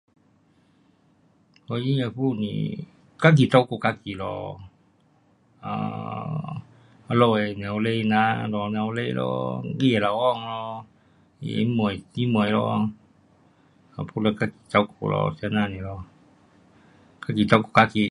怀孕的妇女，自己照顾自己咯，um 她们的母亲哪，老母亲咯，她的老公咯，姐妹，姐妹咯，不了自己照顾，这那里咯，自己照顾自己。